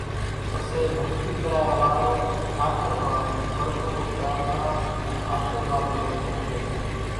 پسي ڀڳتي ڪرايا وارو آخر مان پرڀُو نِي پرارٿنا ان آشرواۮ نون وچن ڪي سي